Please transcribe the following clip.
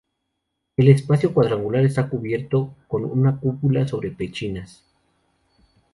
El espacio cuadrangular está cubierto con una cúpula sobre pechinas.